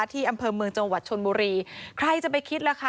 ที่อำเภอเมืองจังหวัดชนบุรีใครจะไปคิดล่ะคะ